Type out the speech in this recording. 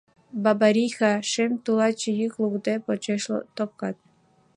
Бабариха — шем тулаче Йӱк лукде, почеш топкат